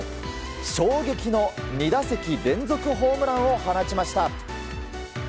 衝撃の２打席連続ホームランを放ちました！